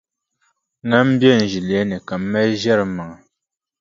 Ŋan be n ʒilɛli ni ka m mali n-ʒiɛri m maŋa.